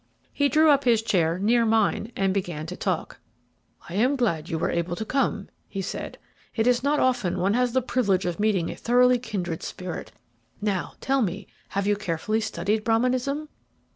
He drew up his chair near mine and began to talk. "I am glad you were able to come," he said. "It is not often one has the privilege of meeting a thoroughly kindred spirit. Now, tell me, have you carefully studied Brahminism?"